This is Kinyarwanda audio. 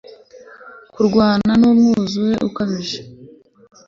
Kurwana numwuzure ukabije